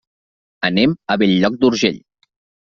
Anem a Bell-lloc d'Urgell.